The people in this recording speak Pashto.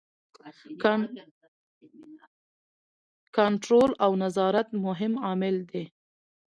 کنټرول او نظارت مهم عامل دی.